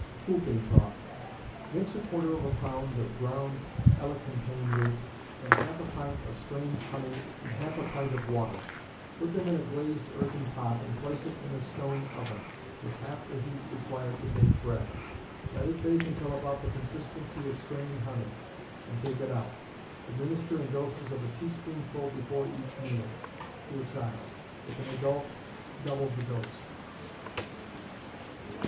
Whooping Cough. Mix a quarter of a pound of ground elecampane root in half a pint of strained honey and half a pint of water. Put them in a glazed earthen pot, and place it in a stone oven, with half the heat required to bake bread. Let it bake until about the consistency of strained honey, and take it out. Administer in doses of a teaspoonful before each meal, to a child; if an adult, double the dose.